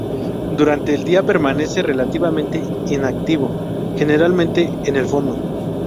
Durante el día permanece relativamente inactivo, generalmente en el fondo.